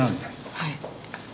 はい。